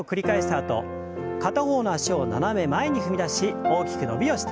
あと片方の脚を斜め前に踏み出し大きく伸びをして。